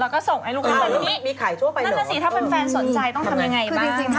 แล้วก็ส่งมาให้ลุคแล้วนี่น่าจะถี่ถ้าเป็นแฟนสนใจต้องทำยังไง